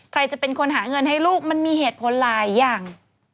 ใครจะเป็นคนหาเงินให้ลูกมันมีเหตุผลหลายอย่าง